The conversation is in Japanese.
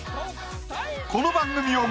この番組を